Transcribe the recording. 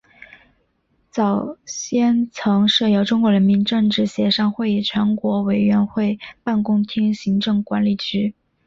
早先曾设有中国人民政治协商会议全国委员会办公厅行政管理局。